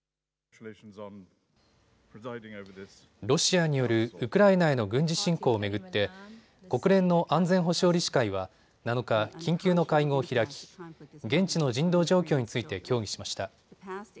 ロシアによるウクライナへの軍事侵攻を巡って国連の安全保障理事会は７日、緊急の会合を開き現地の人道状況について協議しました。